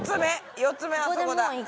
４つ目あそこだ。